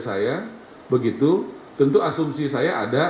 saya begitu tentu asumsi saya ada